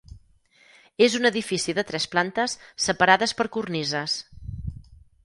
És un edifici de tres plantes separades per cornises.